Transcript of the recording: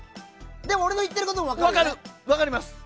でも俺の言ってることも分かるよね。